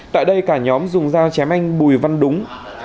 tại đây cả nhóm dùng dao chém anh bùi văn đúng